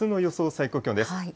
最高気温です。